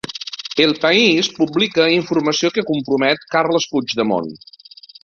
El País publica informació que compromet Carles Puigdemont